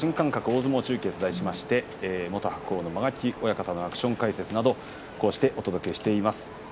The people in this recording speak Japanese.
大相撲中継」と題しまして元白鵬の間垣親方のアクション解説などをお届けしています。